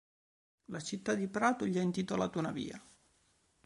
La città di Prato gli ha intitolato una via.